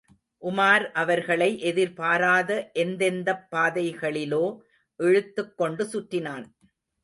உமார் அவர்களை, எதிர்பாராத எந்தெந்தப் பாதைகளிலோ இழுத்துக் கொண்டு சுற்றினான்.